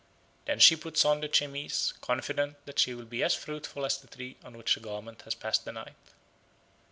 Then she puts on the chemise, confident that she will be as fruitful as the tree on which the garment has passed the night.